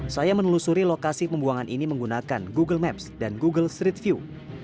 saya menelusuri lokasi pembuangan ini menggunakan google maps dan google street view